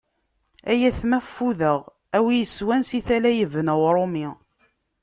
Ay atma ffudeɣ a wi yeswan si tala yebna Uṛumi.